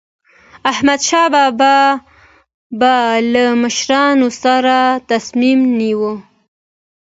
احمدشاه بابا به له مشورو سره تصمیم نیوه.